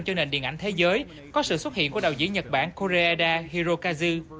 cho nền điện ảnh thế giới có sự xuất hiện của đạo diễn nhật bản koreeda hirokazu